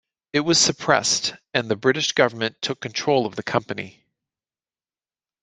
It was suppressed and the British government took control of the company.